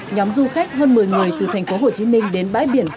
nhóm du khách hơn một mươi người từ thành phố hồ chí minh đến bãi biển